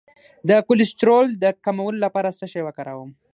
د کولیسټرول د کمولو لپاره څه شی وکاروم؟